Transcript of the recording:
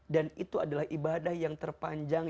dan itu adalah ibadah yang terpanjang